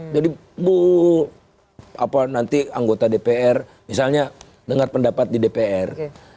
jadi nanti anggota dpr misalnya dengar pendapat di dpr